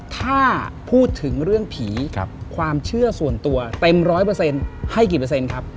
ถ้าพูดถึงเรื่องผีความเชื่อส่วนตัวเต็มร้อยเปอร์เซ็นต์ให้กี่เปอร์เซ็นต์ครับ